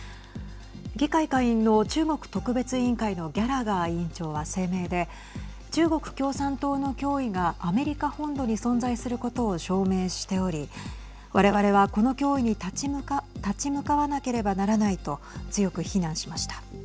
議会下院の中国特別委員会のギャラガー委員長は声明で中国共産党の脅威がアメリカ本土に存在することを証明しており我々はこの脅威に立ち向かわなければならないと強く非難しました。